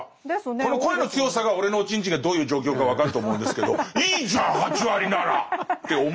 この声の強さが俺のおちんちんがどういう状況か分かると思うんですけどいいじゃん８割なら！って思うわけです。